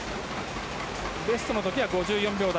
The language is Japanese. ベストの時は５４秒台。